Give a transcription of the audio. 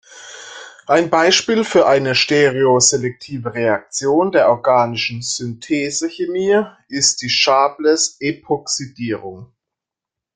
Ein Beispiel für eine stereoselektive Reaktion der organischen Synthesechemie ist die Sharpless-Epoxidierung.